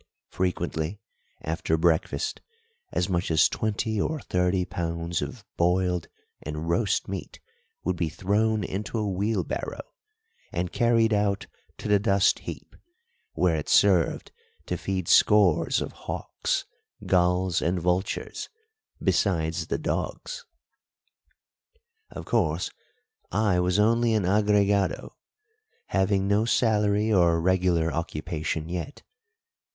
Frequently, after breakfast, as much as twenty or thirty pounds of boiled and roast meat would be thrown into a wheelbarrow and carried out to the dust heap, where it served to feed scores of hawks, gulls, and vultures, besides the dogs. Of course, I was only an agregado, having no salary or regular occupation yet.